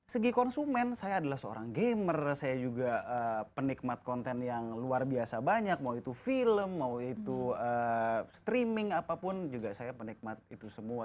segi konsumen saya adalah seorang gamer saya juga penikmat konten yang luar biasa banyak mau itu film mau itu streaming apapun juga saya penikmat itu semua